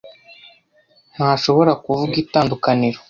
ntashobora kuvuga itandukaniro.